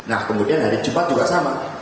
nah kemudian hari jumat juga sama